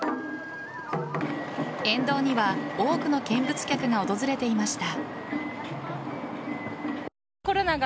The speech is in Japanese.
沿道には多くの見物客が訪れていました。